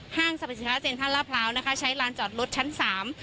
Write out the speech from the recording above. ท่างสรรพสิทธิศราชเซ็นต์ธรรมดิ์พลาวนะคะใช้ลานจอดรถชั้นสาม